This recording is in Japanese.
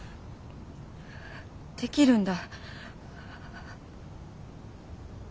できるんだ。